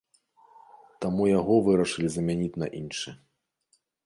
Таму яго вырашылі замяніць на іншы.